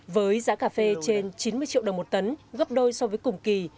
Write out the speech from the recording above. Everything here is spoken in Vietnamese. với giá cà phê trên chín mươi triệu đồng một tấn gấp đôi so với cùng kỳ